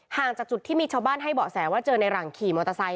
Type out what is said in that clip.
จากจุดที่มีชาวบ้านให้เบาะแสว่าเจอในหลังขี่มอเตอร์ไซค